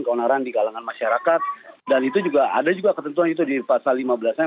keonaran di kalangan masyarakat dan itu juga ada juga ketentuan itu di pasal lima belas nya